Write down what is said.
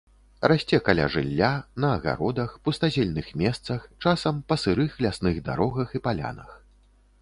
Расце каля жылля, на агародах, пустазельных месцах, часам па сырых лясных дарогах і палянах.